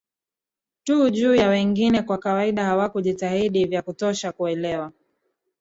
tu juu ya wengine kwa kawaida hawakujitahidi vya kutosha kuelewa